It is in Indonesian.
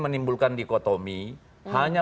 menimbulkan dikotomi hanya